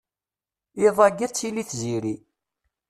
Iḍ-agi ad tili tziri.